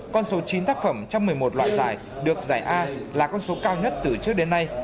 con số chín tác phẩm trong một mươi một loại giải được giải a là con số cao nhất từ trước đến nay